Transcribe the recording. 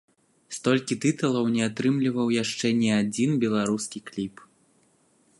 Столькі тытулаў не атрымліваў яшчэ ні адзін беларускі кліп.